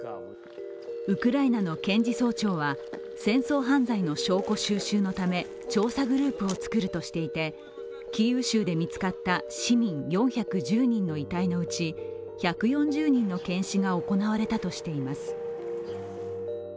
ウクライナの検事総長は戦争犯罪の証拠収集のため調査グループを作るとしていてキーウ州で見つかった市民４１０人の遺体のうち１４０人の検視が行われたとしています。